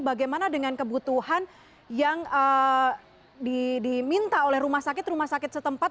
bagaimana dengan kebutuhan yang diminta oleh rumah sakit rumah sakit setempat